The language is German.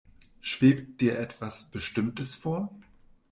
Schwebt dir etwas Bestimmtes vor?